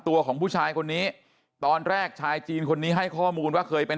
ตัวของผู้ชายคนนี้ตอนแรกชายจีนคนนี้ให้ข้อมูลว่าเคยเป็น